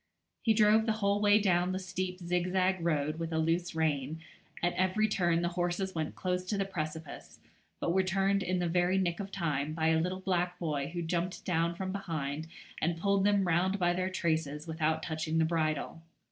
He drove the whole way down the steep zigzag road with a loose rein; at every turn the horses went close to the precipice, but were turned in the very nick of time by a little black boy who jumped down from behind and pulled them round by their traces without touching the bridle.